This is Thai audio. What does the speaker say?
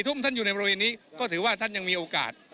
ทุ่มท่านอยู่ในบริเวณนี้ก็ถือว่าท่านยังมีโอกาส